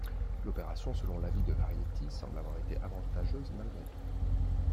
L'opération selon l'avis de Variety semble avoir été avantageuse malgré tout.